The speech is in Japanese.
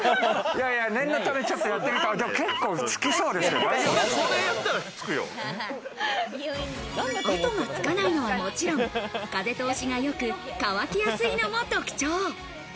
あとがつかないのはもちろん、風通しがよく、乾きやすいのも特徴。